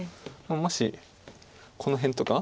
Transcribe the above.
もしこの辺とか。